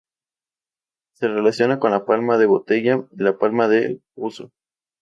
Se relaciona con la palma de botella y la palma del huso.